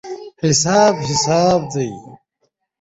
حساب حساب دی.